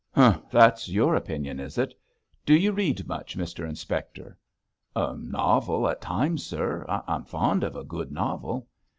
'Humph, that's your opinion, is it? Do you read much, Mr Inspector?' 'A novel at times, sir. I'm fond of a good novel.'